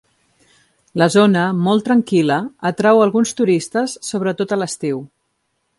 La zona, molt tranquil·la, atrau alguns turistes, sobretot a l'estiu.